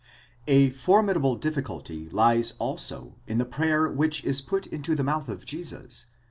A formidable difficulty lies also in the prayer which is put into the mouth of Jesus, v.